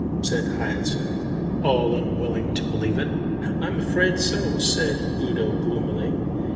_" said Hyacinth, all unwilling to believe it. "I'm afraid so," said Udo gloomily.